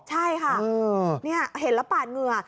ใช่ค่ะเห็นแล้วปั่นเหงื่อ